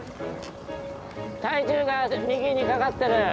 体重が右にかかってる。